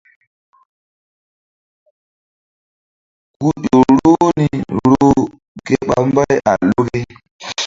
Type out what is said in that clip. Ku ƴo roh ni roh ke ɓa mbay a luki.